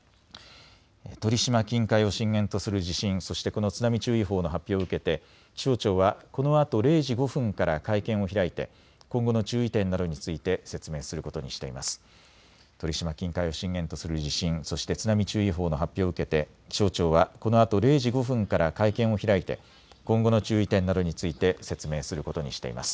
鳥島近海を震源とする地震そしてこの津波注意報の発表を受けて気象庁はこのあと０時５分から会見を開いて今後の注意点などについて説明することにしています。